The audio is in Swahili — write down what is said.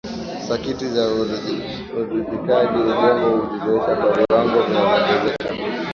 sakiti za uridhikaji ubongo hujizoesha kwa viwango vinavyoongezeka